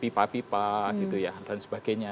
pipa pipa gitu ya dan sebagainya